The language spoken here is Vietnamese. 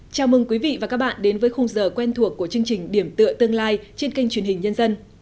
chào mừng quý vị và các bạn đến với khung giờ quen thuộc của chương trình điểm tựa tương lai trên kênh truyền hình nhân dân